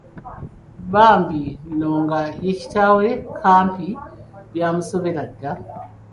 Bambi nno nga ye kitaawe, Kampi byamusobera dda.